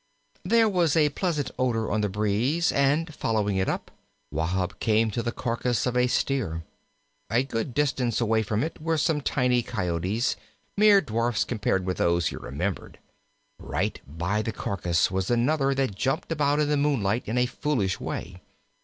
There was a pleasant odor on the breeze, and following it up, Wahb came to the carcass of a Steer. A good distance away from it were some tiny Coyotes, mere dwarfs compared with those he remembered. Right by the carcass was another that jumped about in the moonlight in a foolish way.